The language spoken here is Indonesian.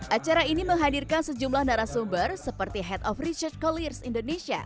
acara ini menghadirkan sejumlah narasumber seperti head of research colears indonesia